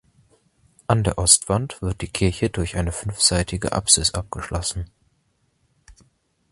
An der Ostwand wird die Kirche durch eine fünfseitige Apsis abgeschlossen.